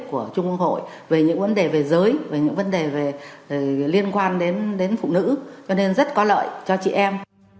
của trung ương hội về những vấn đề về giới và những vấn đề liên quan đến phụ nữ cho nên rất có lợi cho chị em